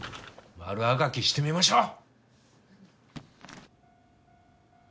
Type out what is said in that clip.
悪あがきしてみましょう。